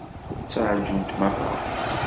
Ttṛajunt meṛṛa.